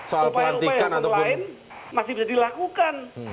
upaya upaya hukum lain masih bisa dilakukan